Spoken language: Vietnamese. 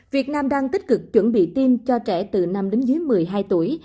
việt nam đang tích cực chuẩn bị tiêm cho trẻ từ năm đến dưới một mươi hai tuổi